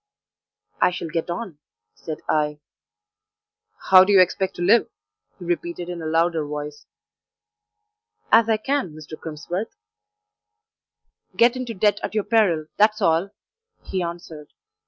"I shall get on," said I. "How do you expect to live?" he repeated in a louder voice. "As I can, Mr. Crimsworth." "Get into debt at your peril! that's all," he answered.